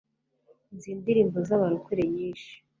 nzi indirimbo zaba rokore nyinshi